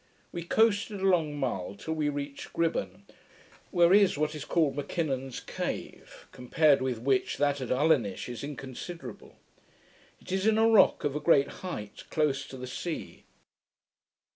We coasted along Mull till we reached Gribon, where is what is called Mackinnon's cave, compared with which that at Ulinish is inconsiderable. It is in a rock of a great height, close to the sea.